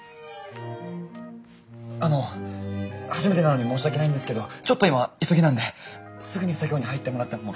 あの初めてなのに申し訳ないんですけどちょっと今急ぎなんですぐに作業に入ってもらっても。